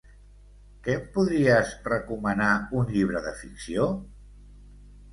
Que em podries recomanar un llibre de ficció?